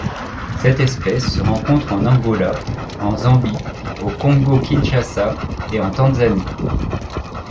Cette espèce se rencontre en Angola, en Zambie, au Congo-Kinshasa et en Tanzanie.